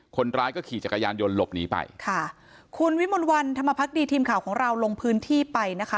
คนร้ายก็ขี่จักรยานยนต์หลบหนีไปค่ะคุณวิมลวันธรรมพักดีทีมข่าวของเราลงพื้นที่ไปนะคะ